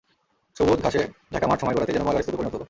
সবুজ ঘাসে ঢাকা মাঠ সময় গড়াতেই যেন ময়লার স্তূপে পরিণত হলো।